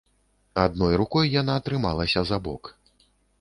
Адной рукой яна трымалася за бок.